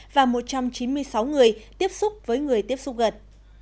và một trăm chín mươi sáu người tiếp xúc với người tiếp xúc gần